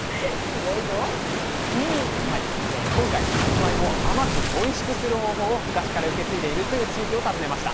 今回さつまいもを甘くおいしくする方法を昔から受け継いでいるという地域を訪ねました。